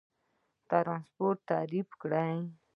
ترانسپورت تعریف کړئ.